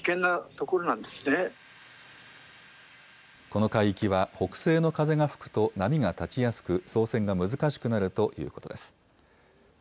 この海域は北西の風が吹くと波が立ちやすく、操船が難しくなるということです。